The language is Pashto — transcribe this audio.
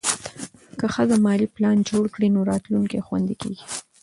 که ښځه مالي پلان جوړ کړي، نو راتلونکی خوندي کېږي.